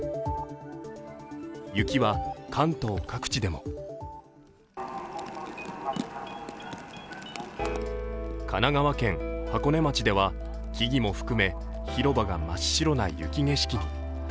雪は関東各地でも神奈川県箱根町では、木々も含め広場が真っ白な雪景色に。